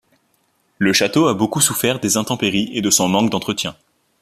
Le château a beaucoup souffert des intempéries et de son manque d'entretien.